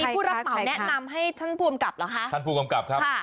ผู้รับเหมาแนะนำให้ท่านผู้กำกับเหรอคะท่านผู้กำกับครับ